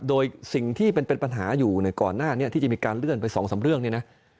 โดยสิ่งที่เป็นปัญหาอยู่เนี่ยก่อนหน้านี้ที่จะมีการเลื่อนไป๒๓เรื่องเนี่ยนะ